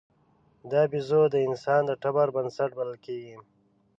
دا بیزو د انسان د ټبر بنسټ بلل کېږي.